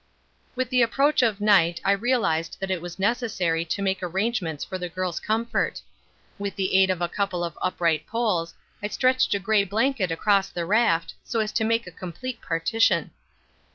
With the approach of night I realized that it was necessary to make arrangements for the girl's comfort. With the aid of a couple of upright poles I stretched a grey blanket across the raft so as to make a complete partition.